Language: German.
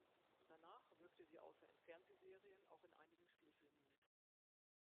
Danach wirkte sie außer in Fernsehserien auch in einigen Spielfilmen mit.